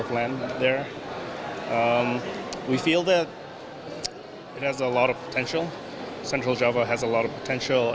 kami berpikir bahwa kursus jualan di jawa tengah punya banyak potensi